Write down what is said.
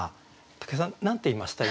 武井さん何て言いました？